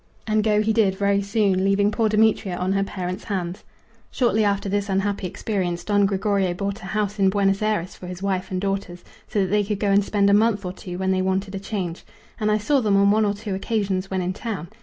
And go he did very soon, leaving poor Demetria on her parents' hands. Shortly after this unhappy experience Don Gregorio bought a house in Buenos Ayres for his wife and daughters, so that they could go and spend a month or two when they wanted a change, and I saw them on one or two occasions when in town.